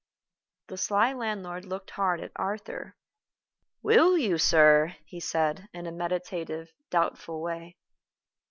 The sly landlord looked hard at Arthur. "Will you, sir?" he asked, in a meditative, doubtful way.